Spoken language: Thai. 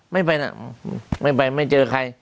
ไม่ไปนะไม่ไปไม่เจอใคร